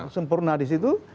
sempurna di situ